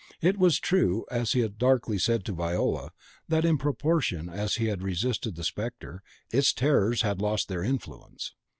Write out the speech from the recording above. It was true, as he had darkly said to Viola, that in proportion as he had resisted the spectre, its terrors had lost their influence.